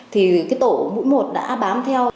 thì cái tổ mũi một đã bám theo